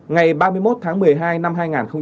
ngày ba mươi một tháng một mươi hai năm hai nghìn hai mươi